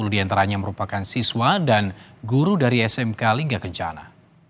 sepuluh diantaranya merupakan siswa dan guru dari smk lingga kencana